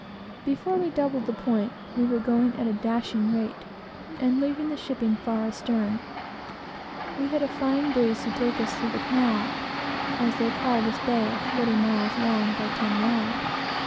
Before we doubled the point, we were going at a dashing rate, and leaving the shipping far astern. We had a fine breeze to take us through the Canal, as they call this bay of forty miles long by ten wide.